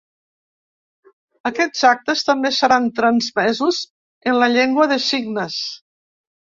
Aquests actes també seran transmesos en la llengua de signes.